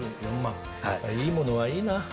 いいものはいいな。